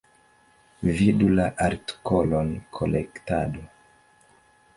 Vidu la artikolon Kolektado.